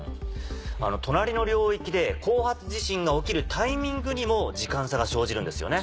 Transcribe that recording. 隣の領域で後発地震が起きるタイミングにも時間差が生じるんですよね？